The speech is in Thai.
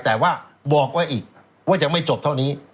แต่ว่าบอกไว้อีกว่ายังไม่จบเท่านี้